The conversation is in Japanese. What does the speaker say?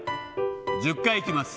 １０回いきます。